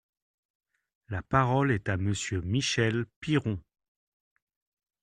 La parole est à Monsieur Michel Piron.